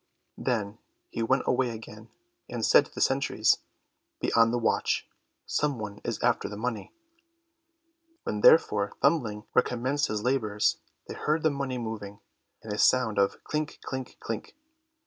Then he went away again, and said to the sentries, "Be on the watch, some one is after the money." When therefore Thumbling recommenced his labours, they heard the money moving, and a sound of klink, klink, klink.